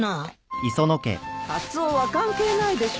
カツオは関係ないでしょう。